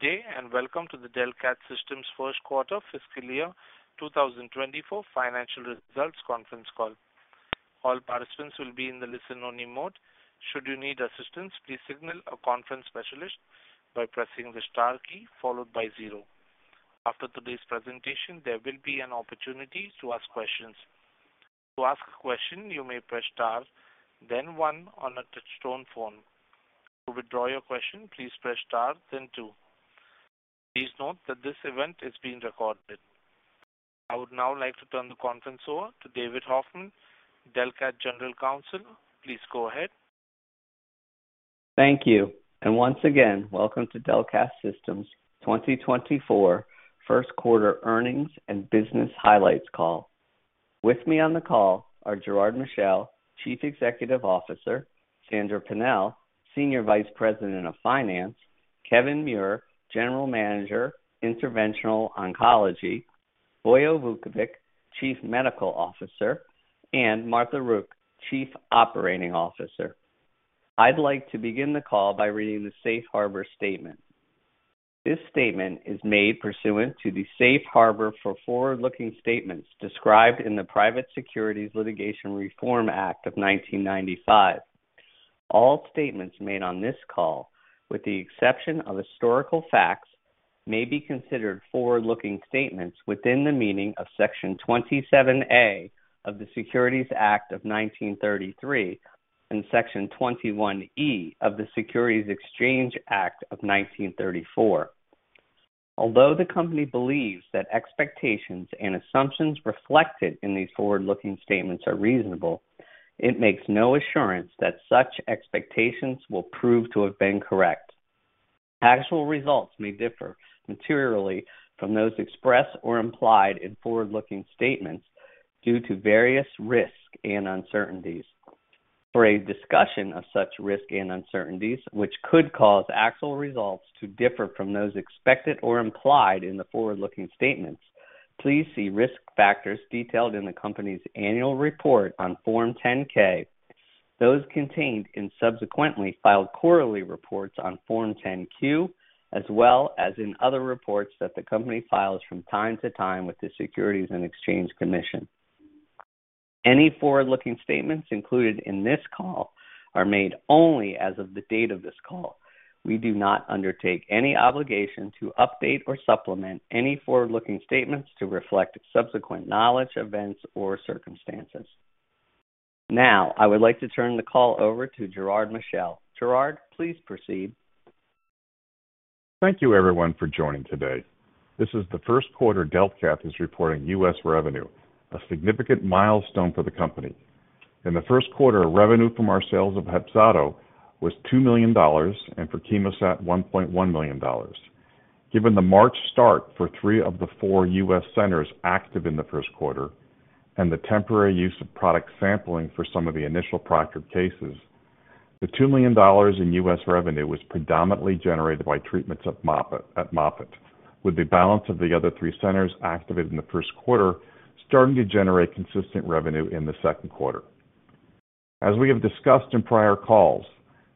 Good day, and welcome to the Delcath Systems First Quarter Fiscal Year 2024 Financial Results Conference Call. All participants will be in the listen-only mode. Should you need assistance, please signal a conference specialist by pressing the star key followed by zero. After today's presentation, there will be an opportunity to ask questions. To ask a question, you may press Star, then one on a touchtone phone. To withdraw your question, please press Star then two. Please note that this event is being recorded. I would now like to turn the conference over to David Hoffman, Delcath General Counsel. Please go ahead. Thank you. And once again, welcome to Delcath Systems 2024 First Quarter Earnings and Business Highlights Call. With me on the call are Gerard Michel, Chief Executive Officer, Sandra Pennell, Senior Vice President of Finance, Kevin Muir, General Manager, Interventional Oncology, Vojislav Vukovic, Chief Medical Officer, and Martha Rook, Chief Operating Officer. I'd like to begin the call by reading the Safe Harbor statement. This statement is made pursuant to the Safe Harbor for forward-looking statements described in the Private Securities Litigation Reform Act of 1995. All statements made on this call, with the exception of historical facts, may be considered forward-looking statements within the meaning of Section 27A of the Securities Act of 1933 and Section 21E of the Securities Exchange Act of 1934. Although the company believes that expectations and assumptions reflected in these forward-looking statements are reasonable, it makes no assurance that such expectations will prove to have been correct. Actual results may differ materially from those expressed or implied in forward-looking statements due to various risks and uncertainties. For a discussion of such risks and uncertainties, which could cause actual results to differ from those expected or implied in the forward-looking statements, please see risk factors detailed in the company's annual report on Form 10-K, those contained in subsequently filed quarterly reports on Form 10-Q, as well as in other reports that the company files from time to time with the Securities and Exchange Commission. Any forward-looking statements included in this call are made only as of the date of this call. We do not undertake any obligation to update or supplement any forward-looking statements to reflect subsequent knowledge, events, or circumstances. Now, I would like to turn the call over to Gerard Michel. Gerard, please proceed. Thank you, everyone, for joining today. This is the first quarter Delcath is reporting U.S. revenue, a significant milestone for the company. In the first quarter, revenue from our sales of Hepzato was $2 million, and for CHEMOSAT, $1.1 million. Given the March start for three of the four U.S. centers active in the first quarter and the temporary use of product sampling for some of the initial proctored cases, the $2 million in U.S. revenue was predominantly generated by treatments at Moffitt, with the balance of the other three centers activated in the first quarter, starting to generate consistent revenue in the second quarter. As we have discussed in prior calls,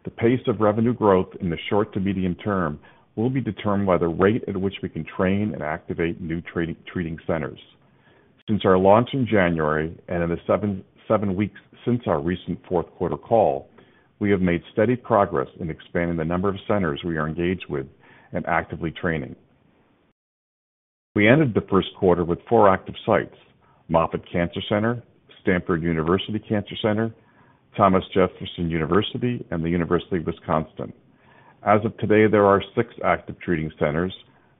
the pace of revenue growth in the short to medium term will be determined by the rate at which we can train and activate new treating centers. Since our launch in January and in the seven weeks since our recent fourth quarter call, we have made steady progress in expanding the number of centers we are engaged with and actively training. We ended the first quarter with 4 active sites: Moffitt Cancer Center, Stanford University Cancer Center, Thomas Jefferson University, and the University of Wisconsin. As of today, there are 6 active treating centers,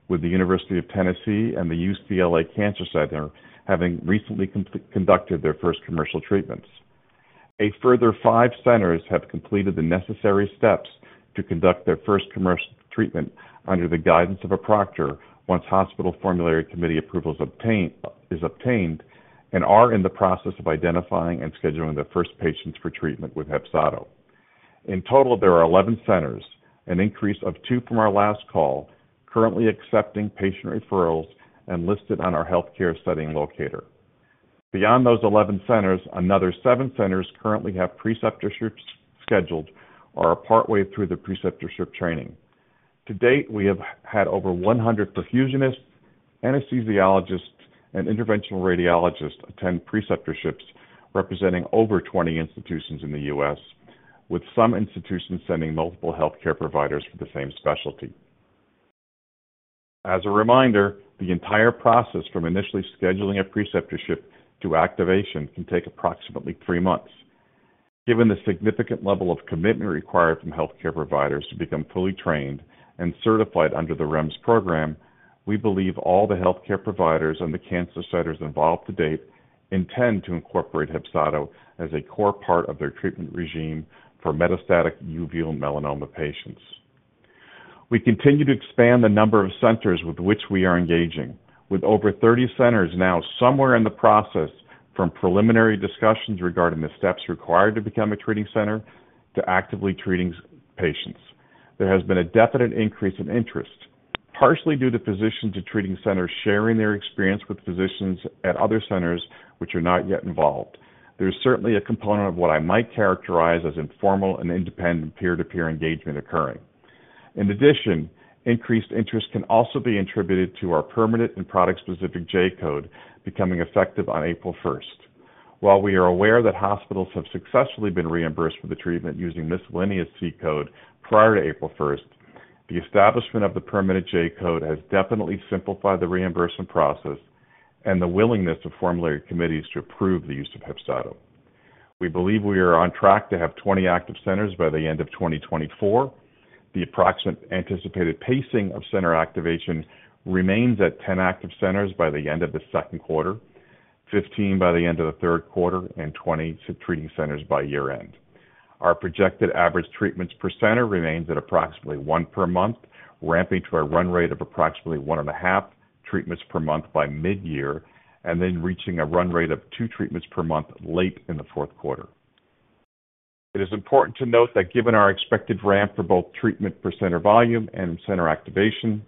with the University of Tennessee and the UCLA Cancer Center having recently conducted their first commercial treatments. A further 5 centers have completed the necessary steps to conduct their first commercial treatment under the guidance of a proctor, once hospital formulary committee approval is obtained, and are in the process of identifying and scheduling their first patients for treatment with Hepzato. In total, there are 11 centers, an increase of 2 from our last call, currently accepting patient referrals and listed on our healthcare setting locator. Beyond those 11 centers, another 7 centers currently have preceptorships scheduled or are partway through the preceptorship training. To date, we have had over 100 perfusionists, anesthesiologists, and interventional radiologists attend preceptorships, representing over 20 institutions in the U.S., with some institutions sending multiple healthcare providers for the same specialty. As a reminder, the entire process from initially scheduling a preceptorship to activation can take approximately 3 months. Given the significant level of commitment required from healthcare providers to become fully trained and certified under the REMS program, we believe all the healthcare providers and the cancer centers involved to date intend to incorporate Hepzato as a core part of their treatment regimen for metastatic uveal melanoma patients. We continue to expand the number of centers with which we are engaging, with over 30 centers now somewhere in the process, from preliminary discussions regarding the steps required to become a treating center to actively treating patients. There has been a definite increase in interest, partially due to physicians at treating centers sharing their experience with physicians at other centers which are not yet involved.... There's certainly a component of what I might characterize as informal and independent peer-to-peer engagement occurring. In addition, increased interest can also be attributed to our permanent and product-specific J-code becoming effective on April first. While we are aware that hospitals have successfully been reimbursed for the treatment using miscellaneous C-code prior to April first, the establishment of the permanent J-code has definitely simplified the reimbursement process and the willingness of formulary committees to approve the use of Hepzato. We believe we are on track to have 20 active centers by the end of 2024. The approximate anticipated pacing of center activation remains at 10 active centers by the end of the second quarter, 15 by the end of the third quarter, and 20 treating centers by year-end. Our projected average treatments per center remains at approximately 1 per month, ramping to a run rate of approximately 1.5 treatments per month by mid-year, and then reaching a run rate of 2 treatments per month late in the fourth quarter. It is important to note that given our expected ramp for both treatment per center volume and center activation,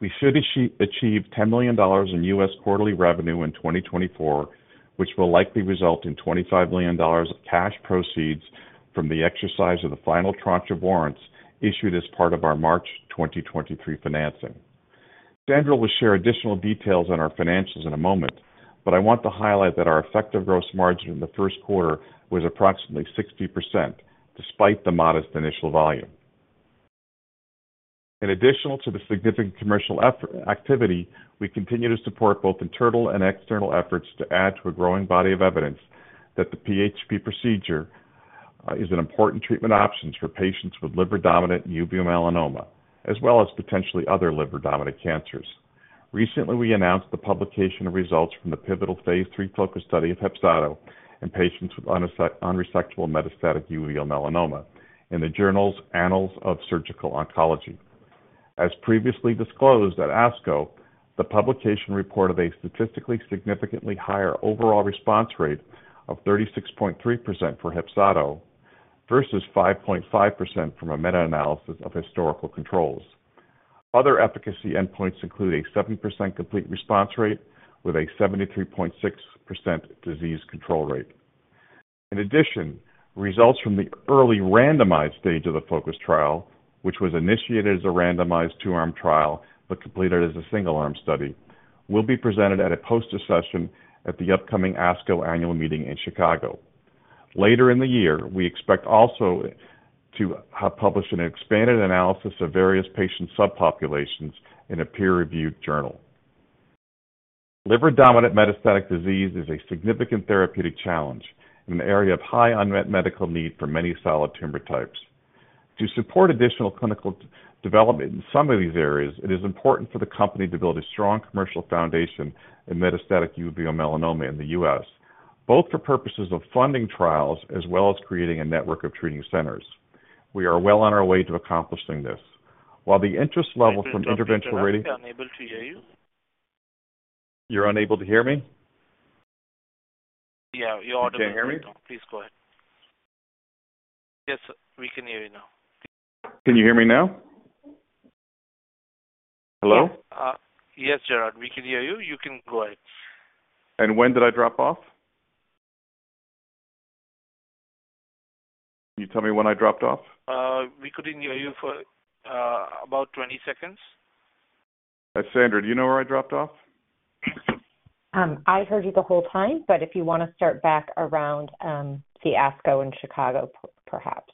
we should achieve $10 million in U.S. quarterly revenue in 2024, which will likely result in $25 million of cash proceeds from the exercise of the final tranche of warrants issued as part of our March 2023 financing. Sandra will share additional details on our financials in a moment, but I want to highlight that our effective gross margin in the first quarter was approximately 60%, despite the modest initial volume. In addition to the significant commercial effort activity, we continue to support both internal and external efforts to add to a growing body of evidence that the PHP procedure is an important treatment options for patients with liver-dominant uveal melanoma, as well as potentially other liver-dominant cancers. Recently, we announced the publication of results from the pivotal phase III FOCUS study of Hepzato in patients with unresectable metastatic uveal melanoma in the journal's Annals of Surgical Oncology. As previously disclosed at ASCO, the publication reported a statistically significantly higher overall response rate of 36.3% for Hepzato, versus 5.5% from a meta-analysis of historical controls. Other efficacy endpoints include a 70% complete response rate with a 73.6% disease control rate. In addition, results from the early randomized stage of the FOCUS trial, which was initiated as a randomized two-arm trial but completed as a single-arm study, will be presented at a poster session at the upcoming ASCO annual meeting in Chicago. Later in the year, we expect also to have published an expanded analysis of various patient subpopulations in a peer-reviewed journal. Liver-dominant metastatic disease is a significant therapeutic challenge in an area of high unmet medical need for many solid tumor types. To support additional clinical development in some of these areas, it is important for the company to build a strong commercial foundation in metastatic uveal melanoma in the U.S., both for purposes of funding trials as well as creating a network of treating centers. We are well on our way to accomplishing this. While the interest level from interventional radi- Unable to hear you. You're unable to hear me? Yeah, you are- You can't hear me? Please go ahead. Yes, we can hear you now. Can you hear me now? Hello? Yes, Gerard, we can hear you. You can go ahead. When did I drop off? Can you tell me when I dropped off? We couldn't hear you for about 20 seconds. Sandra, do you know where I dropped off? I heard you the whole time, but if you wanna start back around the ASCO in Chicago, perhaps.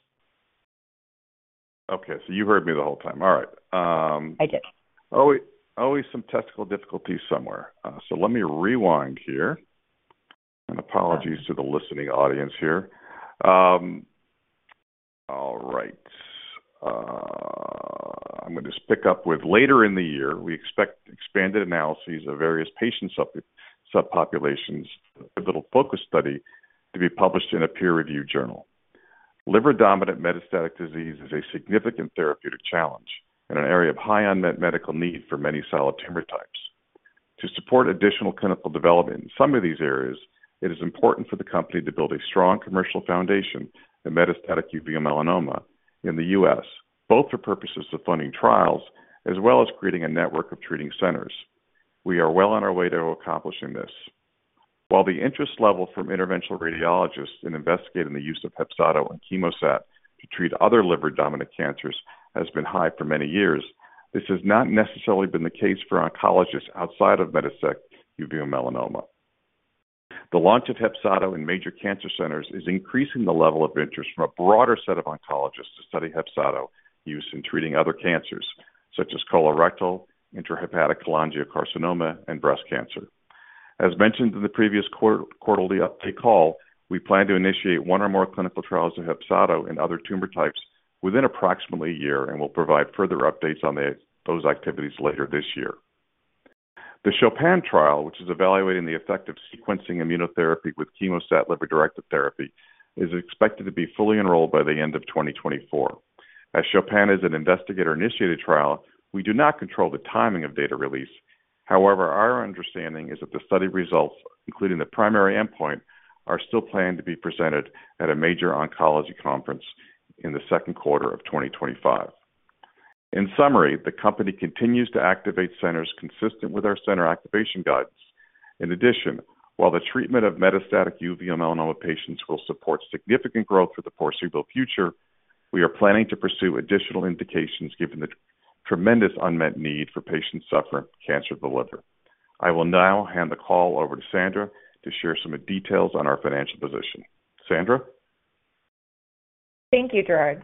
Okay. So you heard me the whole time. All right, I did. Always, always some technical difficulties somewhere. So let me rewind here. Apologies to the listening audience here. All right. I'm gonna just pick up with later in the year, we expect expanded analyses of various patient subpopulations, a little FOCUS study to be published in a peer-reviewed journal. Liver-dominant metastatic disease is a significant therapeutic challenge and an area of high unmet medical need for many solid tumor types. To support additional clinical development in some of these areas, it is important for the company to build a strong commercial foundation in metastatic uveal melanoma in the U.S., both for purposes of funding trials as well as creating a network of treating centers. We are well on our way to accomplishing this. While the interest level from interventional radiologists in investigating the use of Hepzato and Chemosat to treat other liver-dominant cancers has been high for many years, this has not necessarily been the case for oncologists outside of metastatic uveal melanoma. The launch of Hepzato in major cancer centers is increasing the level of interest from a broader set of oncologists to study Hepzato use in treating other cancers, such as colorectal, intrahepatic cholangiocarcinoma, and breast cancer. As mentioned in the previous quarterly update call, we plan to initiate one or more clinical trials of Hepzato in other tumor types within approximately a year, and we'll provide further updates on those activities later this year. The CHOPIN trial, which is evaluating the effect of sequencing immunotherapy with Chemosat liver-directed therapy, is expected to be fully enrolled by the end of 2024. As CHOPIN is an investigator-initiated trial, we do not control the timing of data release. However, our understanding is that the study results, including the primary endpoint, are still planned to be presented at a major oncology conference in the second quarter of 2025.... In summary, the company continues to activate centers consistent with our center activation guidance. In addition, while the treatment of metastatic uveal melanoma patients will support significant growth for the foreseeable future, we are planning to pursue additional indications given the tremendous unmet need for patients suffering cancer of the liver. I will now hand the call over to Sandra to share some details on our financial position. Sandra? Thank you, Gerard.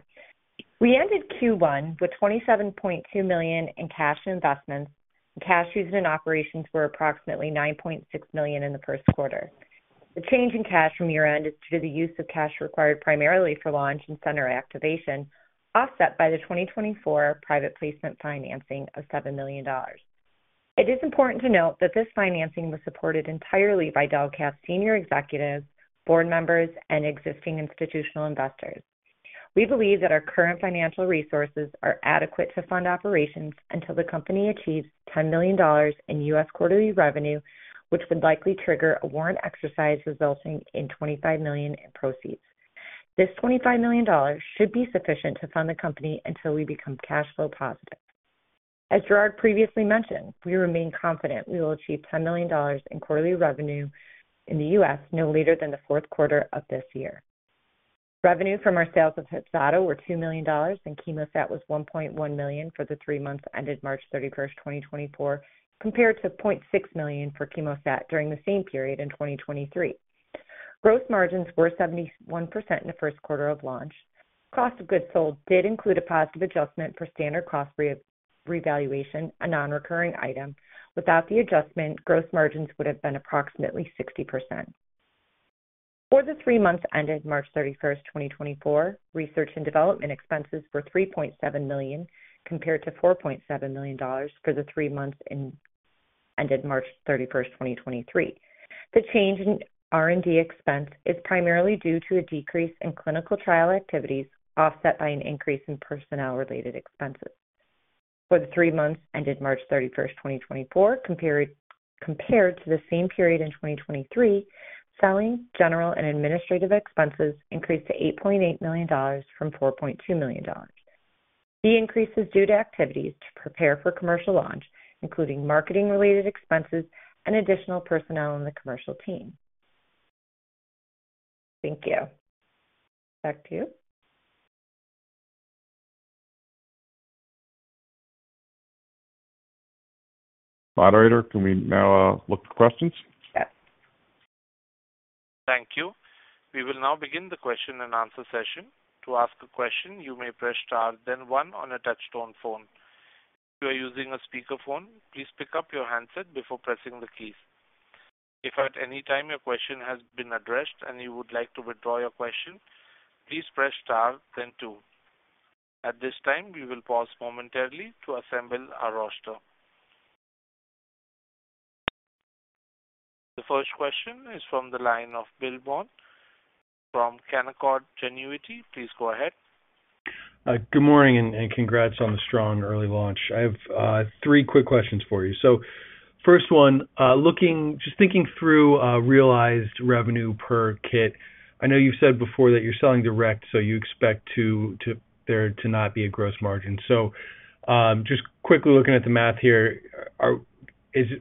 We ended Q1 with $27.2 million in cash investments, and cash used in operations were approximately $9.6 million in the first quarter. The change in cash from year-end is due to the use of cash required primarily for launch and center activation, offset by the 2024 private placement financing of $7 million. It is important to note that this financing was supported entirely by Delcath senior executives, board members, and existing institutional investors. We believe that our current financial resources are adequate to fund operations until the company achieves $10 million in U.S. quarterly revenue, which would likely trigger a warrant exercise resulting in $25 million in proceeds. This $25 million should be sufficient to fund the company until we become cash flow positive. As Gerard previously mentioned, we remain confident we will achieve $10 million in quarterly revenue in the US no later than the fourth quarter of this year. Revenue from our sales of HEPZATO were $2 million, and Chemosat was $1.1 million for the three months ended March 31st, 2024, compared to $0.6 million for Chemosat during the same period in 2023. Gross margins were 71% in the first quarter of launch. Cost of goods sold did include a positive adjustment for standard cost revaluation, a non-recurring item. Without the adjustment, gross margins would have been approximately 60%. For the three months ended March 31st, 2024, research and development expenses were $3.7 million, compared to $4.7 million for the three months ended March 31st, 2023. The change in R&D expense is primarily due to a decrease in clinical trial activities, offset by an increase in personnel-related expenses. For the three months ended March 31st, 2024, compared to the same period in 2023, selling general and administrative expenses increased to $8.8 million from $4.2 million. The increase is due to activities to prepare for commercial launch, including marketing-related expenses and additional personnel in the commercial team. Thank you. Back to you. Moderator, can we now, look for questions? Yes. Thank you. We will now begin the question and answer session. To ask a question, you may press star then one on a touch-tone phone. If you are using a speakerphone, please pick up your handset before pressing the keys. If at any time your question has been addressed and you would like to withdraw your question, please press star then two. At this time, we will pause momentarily to assemble our roster. The first question is from the line of Bill Plovanic from Canaccord Genuity. Please go ahead. Good morning, and congrats on the strong early launch. I have three quick questions for you. So first one, looking, just thinking through, realized revenue per kit. I know you've said before that you're selling direct, so you expect to there to not be a gross margin. So, just quickly looking at the math here, did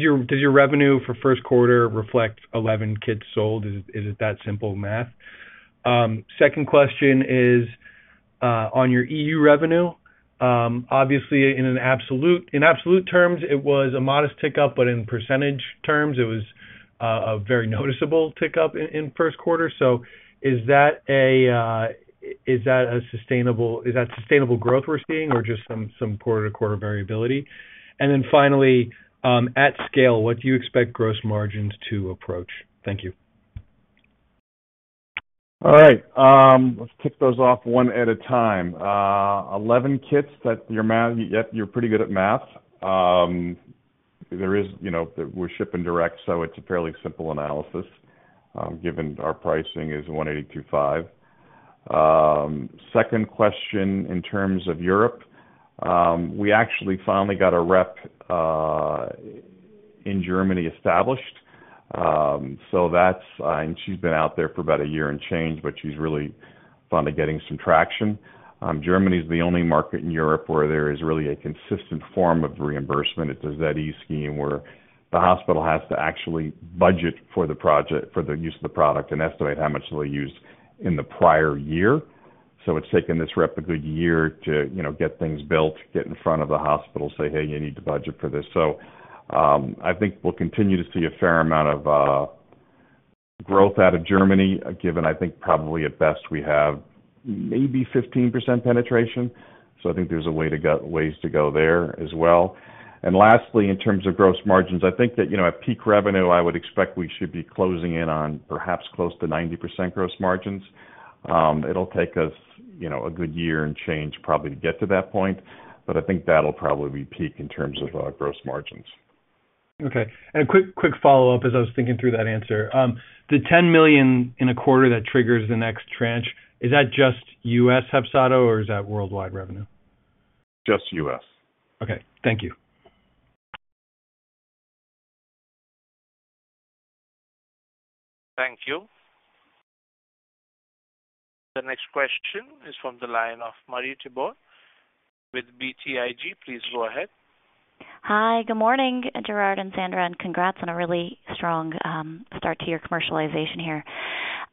your revenue for first quarter reflect 11 kits sold? Is it that simple math? Second question is on your EU revenue. Obviously, in absolute terms, it was a modest tick-up, but in percentage terms it was a very noticeable tick-up in first quarter. So is that sustainable growth we're seeing or just some quarter-to-quarter variability? And then finally, at scale, what do you expect gross margins to approach? Thank you. All right, let's tick those off one at a time. Eleven kits, that's your math, yep, you're pretty good at math. There is, you know, we're shipping direct, so it's a fairly simple analysis, given our pricing is $1,825. Second question, in terms of Europe, we actually finally got a rep in Germany established. So that's, and she's been out there for about a year and change, but she's really finally getting some traction. Germany is the only market in Europe where there is really a consistent form of reimbursement. It's a Z-scheme where the hospital has to actually budget for the use of the product and estimate how much they'll use in the prior year. So it's taken this rep a good year to, you know, get things built, get in front of the hospital, say, "Hey, you need to budget for this." So, I think we'll continue to see a fair amount of growth out of Germany, given, I think probably at best we have maybe 15% penetration. So I think there's a way to go- ways to go there as well. And lastly, in terms of gross margins, I think that, you know, at peak revenue, I would expect we should be closing in on perhaps close to 90% gross margins. It'll take us, you know, a good year and change probably to get to that point, but I think that'll probably be peak in terms of gross margins. Okay, and a quick, quick follow-up as I was thinking through that answer. The $10 million in a quarter that triggers the next tranche, is that just U.S. Hepzato, or is that worldwide revenue? Just U.S.. Okay, thank you. The next question is from the line of Marie Thibault with BTIG. Please go ahead. Hi, good morning, Gerard and Sandra, and congrats on a really strong, start to your commercialization here.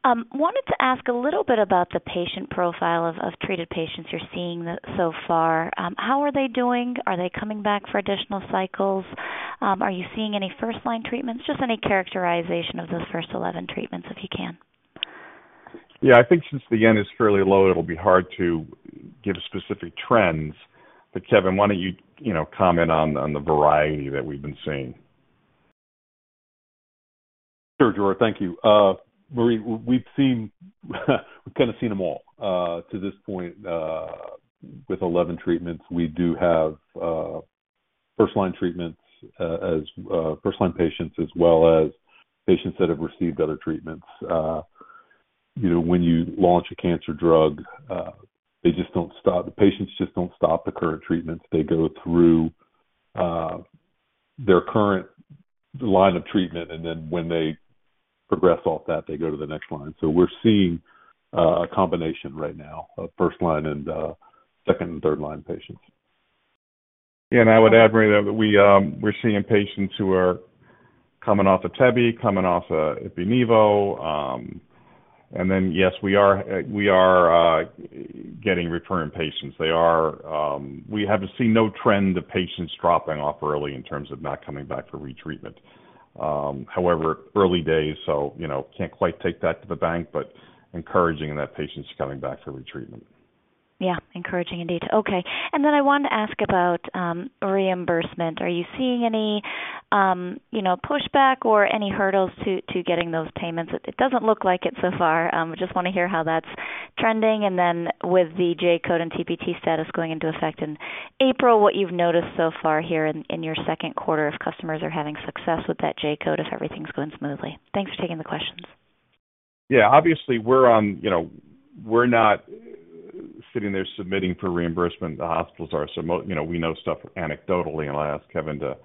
Wanted to ask a little bit about the patient profile of, of treated patients you're seeing so far. How are they doing? Are they coming back for additional cycles? Are you seeing any first-line treatments? Just any characterization of those first 11 treatments, if you can. Yeah, I think since the end is fairly low, it'll be hard to give specific trends. But Kevin, why don't you, you know, comment on, on the variety that we've been seeing? Sure, Gerard, thank you. Marie, we've seen we've kind of seen them all. To this point, with 11 treatments, we do have first-line treatments, as first-line patients, as well as patients that have received other treatments. You know, when you launch a cancer drug, they just don't stop, the patients just don't stop the current treatments. They go through their current line of treatment, and then when they progress off that, they go to the next line. So we're seeing a combination right now of first line and second and third line patients. And I would add, Marie, that we, we're seeing patients who are coming off tebentafusp, coming off Opdivo. And then, yes, we are getting returning patients. They are, we have seen no trend of patients dropping off early in terms of not coming back for retreatment. However, early days, so, you know, can't quite take that to the bank, but encouraging in that patients are coming back for retreatment. Yeah, encouraging indeed. Okay, and then I wanted to ask about reimbursement. Are you seeing any, you know, pushback or any hurdles to getting those payments? It doesn't look like it so far. I just want to hear how that's trending. And then with the J-code and TPT status going into effect in April, what you've noticed so far here in your second quarter, if customers are having success with that J-code, if everything's going smoothly. Thanks for taking the questions. Yeah. Obviously, we're on, you know, we're not sitting there submitting for reimbursement. The hospitals are submitting, you know, we know stuff anecdotally, and I'll ask Kevin to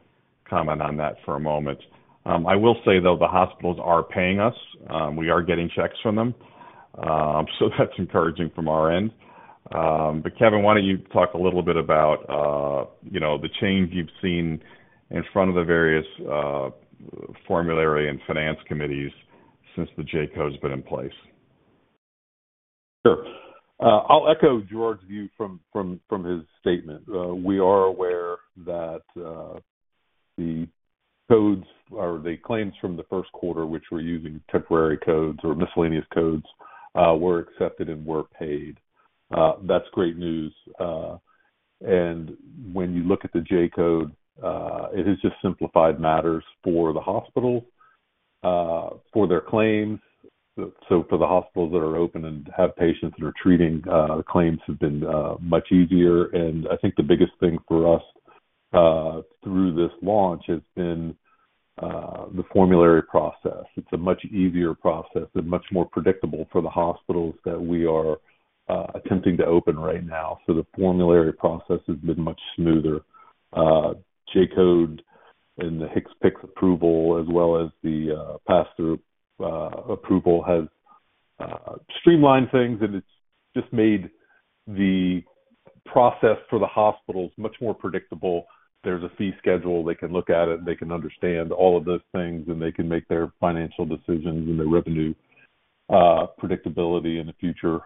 comment on that for a moment. I will say, though, the hospitals are paying us. We are getting checks from them, so that's encouraging from our end. But Kevin, why don't you talk a little bit about, you know, the change you've seen in front of the various formulary and finance committees since the J-code's been in place? Sure. I'll echo Gerard's view from his statement. We are aware that the codes or the claims from the first quarter, which were using temporary codes or miscellaneous codes, were accepted and were paid. That's great news. And when you look at the J-code, it has just simplified matters for the hospital for their claims. So for the hospitals that are open and have patients that are treating, claims have been much easier. And I think the biggest thing for us through this launch has been the formulary process. It's a much easier process and much more predictable for the hospitals that we are attempting to open right now. So the formulary process has been much smoother. J-code and the HCPCS approval, as well as the pass-through approval, has streamlined things, and it's just made the process for the hospitals much more predictable. There's a fee schedule. They can look at it, and they can understand all of those things, and they can make their financial decisions and their revenue predictability in the future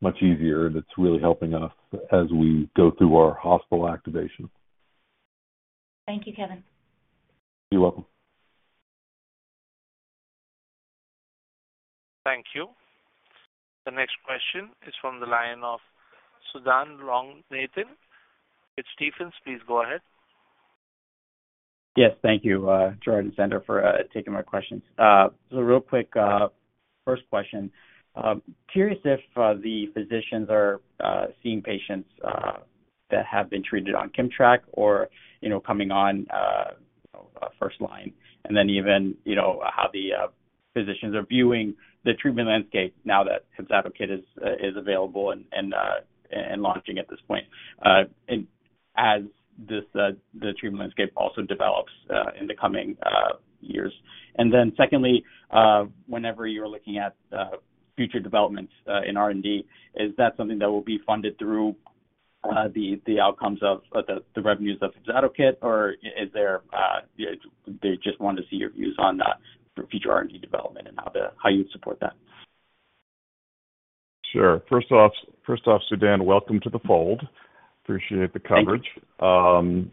much easier. And it's really helping us as we go through our hospital activation. Thank you, Kevin. You're welcome. Thank you. The next question is from the line of Sudan Loganathan with Stephens. Please go ahead. Yes, thank you, Gerard and Sandra, for taking my questions. So real quick, first question. Curious if the physicians are seeing patients that have been treated on KIMMTRAK or, you know, coming on first line, and then even, you know, how the physicians are viewing the treatment landscape now that HEPZATO KIT is available and launching at this point, as the treatment landscape also develops in the coming years. And then secondly, whenever you're looking at future developments in R&D, is that something that will be funded through the outcomes of the revenues of HEPZATO KIT? Or is there... Just want to see your views on that for future R&D development and how you would support that. Sure. First off, first off, Sudan, welcome to the fold. Appreciate the coverage. Thank you.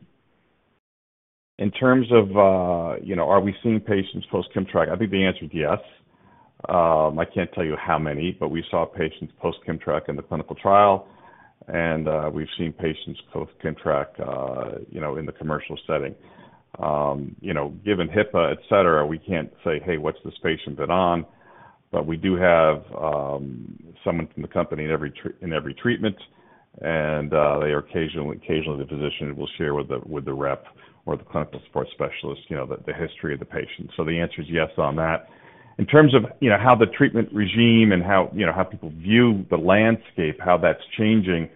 In terms of, you know, are we seeing patients post KIMMTRAK? I think the answer is yes. I can't tell you how many, but we saw patients post KIMMTRAK in the clinical trial, and, we've seen patients post KIMMTRAK, you know, in the commercial setting. You know, given HIPAA, et cetera, we can't say: Hey, what's this patient been on? But we do have, someone from the company in every treatment, and, they occasionally the physician will share with the rep or the clinical support specialist, you know, the history of the patient. So the answer is yes on that. In terms of, you know, how the treatment regimen and how, you know, how people view the landscape, how that's changing...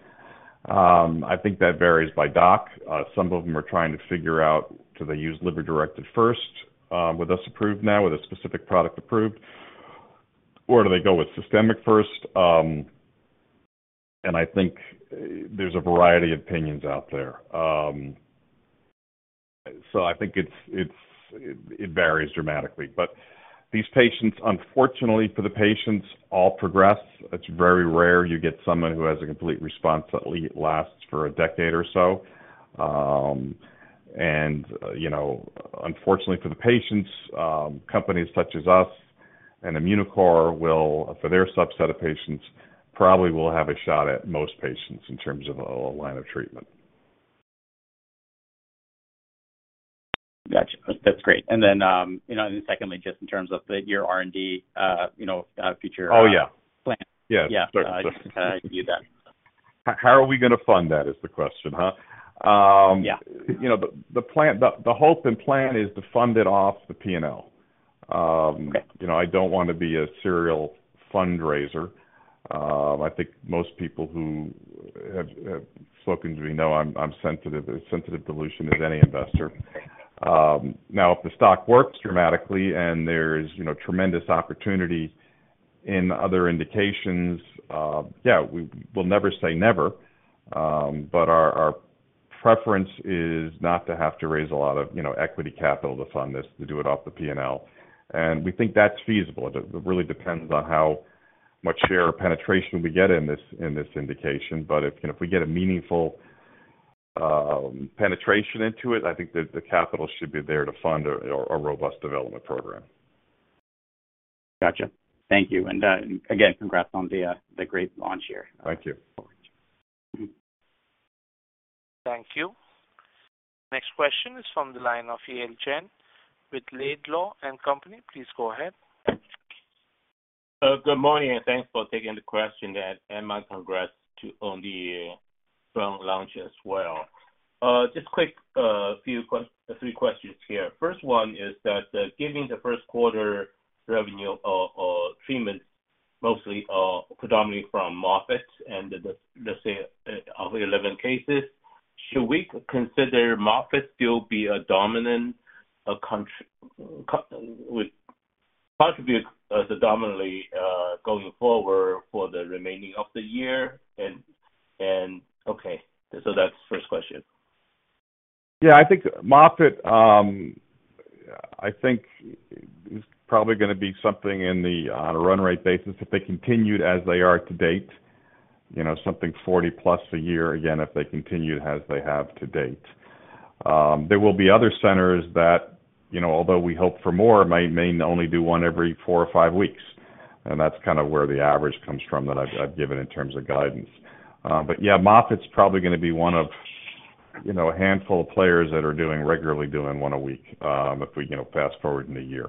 I think that varies by doc. Some of them are trying to figure out, do they use liver-directed first, with us approved now, with a specific product approved? Or do they go with systemic first? And I think there's a variety of opinions out there. So I think it varies dramatically. But these patients, unfortunately, for the patients, all progress. It's very rare you get someone who has a complete response that at least lasts for a decade or so. And, you know, unfortunately for the patients, companies such as us and Immunocore will, for their subset of patients, probably will have a shot at most patients in terms of a line of treatment. Gotcha. That's great. And then, you know, and secondly, just in terms of the your R&D, you know, future- Oh, yeah. -plan. Yeah. Yeah. Sure. I can give you that. How are we gonna fund that, is the question, huh? Yeah. You know, the hope and plan is to fund it off the P&L. Okay. You know, I don't want to be a serial fundraiser. I think most people who have spoken to me know I'm sensitive, as sensitive to dilution as any investor. Now, if the stock works dramatically and there's, you know, tremendous opportunity in other indications, yeah, we'll never say never. But our preference is not to have to raise a lot of, you know, equity capital to fund this, to do it off the P&L, and we think that's feasible. It really depends on how much share or penetration we get in this indication. But if, you know, if we get a meaningful penetration into it, I think the capital should be there to fund a robust development program. Gotcha. Thank you. And, again, congrats on the great launch here. Thank you. Thank you. Next question is from the line of Yale Jen with Laidlaw & Company. Please go ahead. Good morning, and thanks for taking the question, and my congrats on the strong launch as well. Just quick, few three questions here. First one is that, giving the first quarter revenue of treatment, mostly predominantly from Moffitt and the, let's say, 11 cases, should we consider Moffitt still be a dominant contributor predominantly going forward for the remaining of the year? And okay, so that's first question. Yeah, I think Moffitt, I think is probably gonna be something in the, on a run rate basis, if they continued as they are to date, you know, something 40+ a year, again, if they continue as they have to date. There will be other centers that, you know, although we hope for more, may only do one every 4 or 5 weeks, and that's kind of where the average comes from, that I've given in terms of guidance. But yeah, Moffitt's probably gonna be one of, you know, a handful of players that are doing, regularly doing 1 a week, if we, you know, fast forward in a year.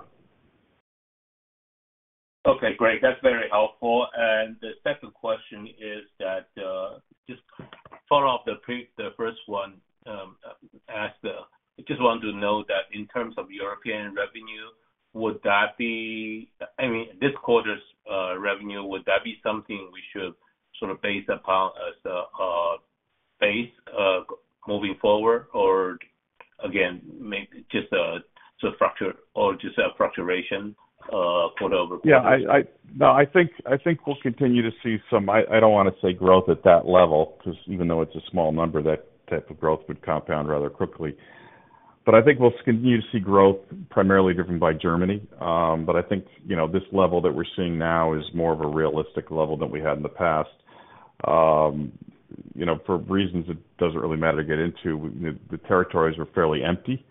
Okay, great. That's very helpful. And the second question is that, just follow up the pre- the first one, ask, I just wanted to know that in terms of European revenue, would that be... I mean, this quarter's revenue, would that be something we should sort of base upon as a base moving forward? Or again, maybe just a just a fluctuation or just a fluctuation quarter-over-quarter. Yeah, no, I think we'll continue to see some. I don't want to say growth at that level, 'cause even though it's a small number, that type of growth would compound rather quickly. But I think we'll continue to see growth, primarily driven by Germany. But I think, you know, this level that we're seeing now is more of a realistic level than we had in the past. You know, for reasons, it doesn't really matter to get into, the territories were fairly empty.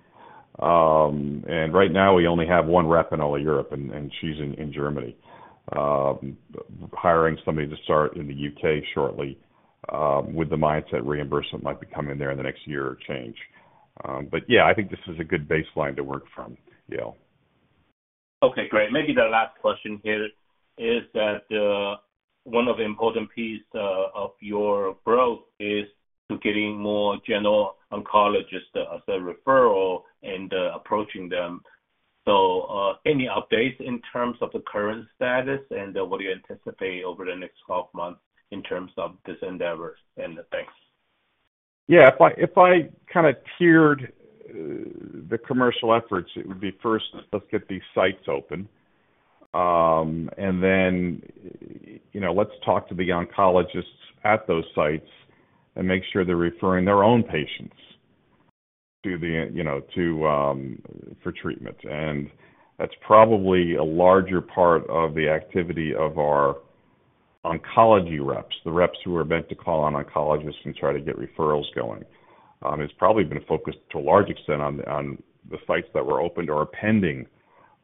And right now we only have one rep in all of Europe, and she's in Germany. Hiring somebody to start in the U.K. shortly, with the mindset reimbursement might be coming there in the next year or change. But yeah, I think this is a good baseline to work from, Yale. Okay, great. Maybe the last question here is that one of the important piece of your growth is to getting more general oncologists as a referral and approaching them. So any updates in terms of the current status, and what do you anticipate over the next 12 months in terms of this endeavor? And, thanks. Yeah, if I, if I kind of tiered the commercial efforts, it would be, first, let's get these sites open. And then, you know, let's talk to the oncologists at those sites and make sure they're referring their own patients to the, you know, to, for treatment. And that's probably a larger part of the activity of our oncology reps, the reps who are meant to call on oncologists and try to get referrals going. It's probably been focused to a large extent on the sites that were opened or are pending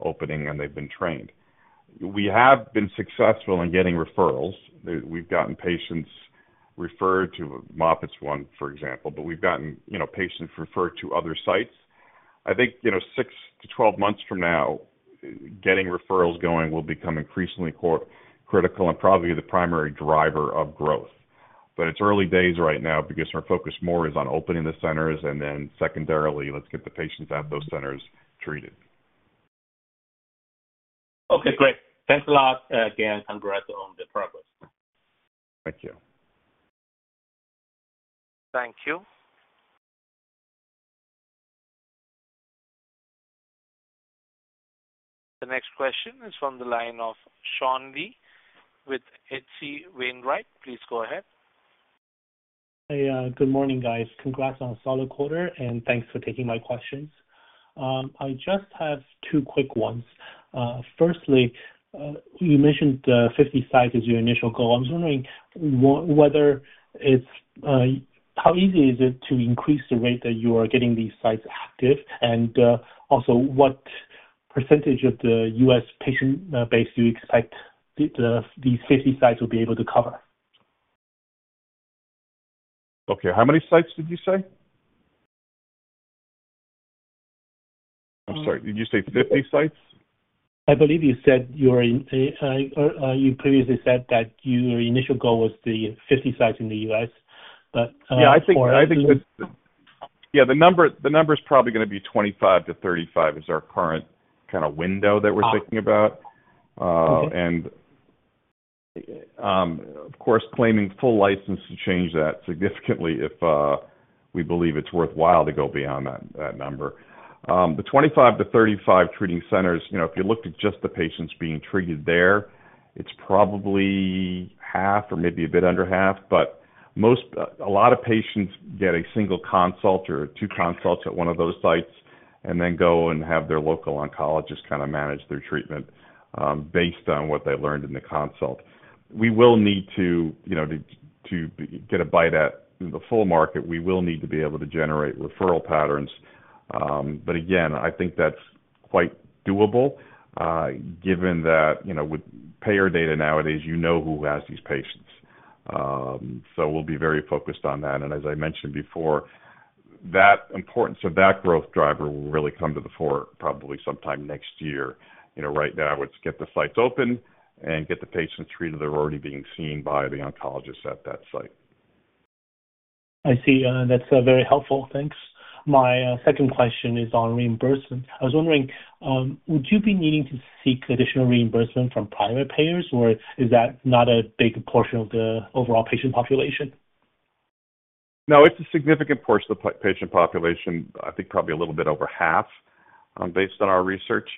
opening, and they've been trained. We have been successful in getting referrals. We've gotten patients referred to Moffitt's, one, for example, but we've gotten, you know, patients referred to other sites. I think, you know, 6-12 months from now, getting referrals going will become increasingly critical and probably the primary driver of growth. But it's early days right now because our focus more is on opening the centers, and then secondarily, let's get the patients at those centers treated. Okay, great. Thanks a lot. Again, congrats on the progress. Thank you. Thank you. The next question is from the line of Sean Lee with H.C. Wainwright. Please go ahead. Hey, good morning, guys. Congrats on a solid quarter, and thanks for taking my questions. I just have two quick ones. Firstly, you mentioned 50 sites as your initial goal. I was wondering whether it's how easy is it to increase the rate that you are getting these sites active? And also, what percentage of the U.S. patient base do you expect the 50 sites will be able to cover? Okay, how many sites did you say? I'm sorry, did you say 50 sites? I believe you said you were in, you previously said that your initial goal was the 50 sites in the US, but, Yeah, I think the number's probably gonna be 25-35, is our current kind of window that we're thinking about. Okay. Of course, claiming full license to change that significantly if we believe it's worthwhile to go beyond that number. The 25-35 treating centers, you know, if you looked at just the patients being treated there, it's probably half or maybe a bit under half. But most, a lot of patients get a single consult or 2 consults at one of those sites and then go and have their local oncologist kind of manage their treatment, based on what they learned in the consult. We will need to, you know, to get a bite at the full market, we will need to be able to generate referral patterns. But again, I think that's quite doable, given that, you know, with payer data nowadays, you know who has these patients. So we'll be very focused on that, and as I mentioned before, that importance of that growth driver will really come to the fore probably sometime next year. You know, right now, it's get the sites open and get the patients treated that are already being seen by the oncologist at that site. I see. That's very helpful. Thanks. My second question is on reimbursement. I was wondering, would you be needing to seek additional reimbursement from private payers, or is that not a big portion of the overall patient population? No, it's a significant portion of the patient population, I think probably a little bit over half, based on our research.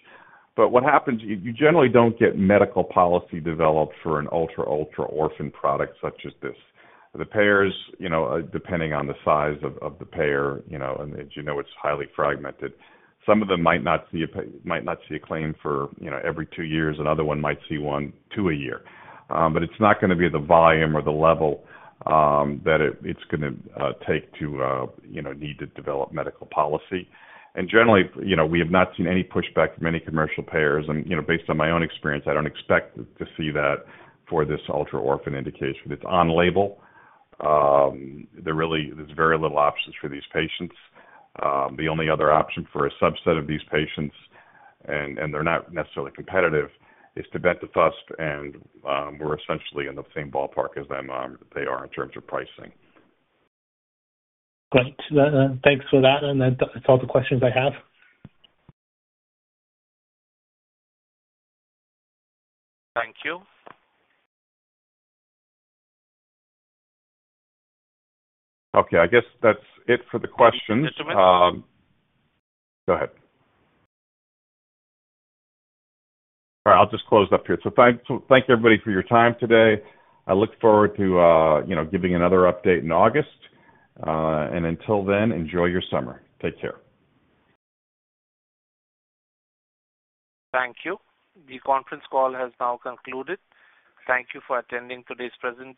But what happens, you generally don't get medical policy developed for an ultra-orphan product such as this. The payers, you know, depending on the size of the payer, you know, and as you know, it's highly fragmented. Some of them might not see a claim for, you know, every two years. Another one might see one, two a year. But it's not gonna be the volume or the level that it's gonna take to, you know, need to develop medical policy. And generally, you know, we have not seen any pushback from any commercial payers, and, you know, based on my own experience, I don't expect to see that for this ultra-orphan indication. It's on label. There really, there's very little options for these patients. The only other option for a subset of these patients, and they're not necessarily competitive, is tebentafusp, and we're essentially in the same ballpark as them, they are in terms of pricing. Great. Thanks for that, and that's all the questions I have. Thank you. Okay, I guess that's it for the questions. Go ahead. All right, I'll just close up here. So thank you, everybody, for your time today. I look forward to, you know, giving another update in August. And until then, enjoy your summer. Take care. Thank you. The conference call has now concluded. Thank you for attending today's presentation.